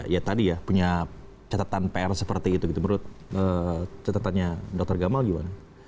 ya tadi ya punya catatan pr seperti itu gitu menurut catatannya dr gamal gimana